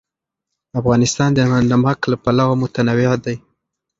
افغانستان د نمک له پلوه متنوع دی.